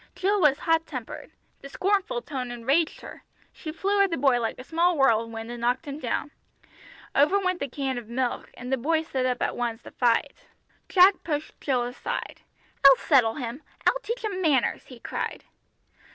Jill was hot tempered. The scornful tone enraged her. She flew at the boy like a small whirlwind and knocked him down. Over went the can of milk, and the boy stood up at once to fight. Jack pushed Jill aside. "I'll settle him! I'll teach him manners!" he cried.